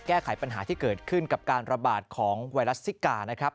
แก้ไขปัญหาที่เกิดขึ้นกับการระบาดของไวรัสซิกานะครับ